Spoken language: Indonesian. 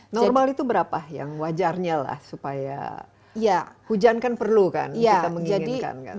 normal itu berapa yang wajarnya lah supaya hujan kan perlu kan kita menginginkan kan